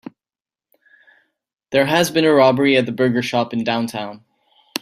There has been a robbery at the burger shop in downtown.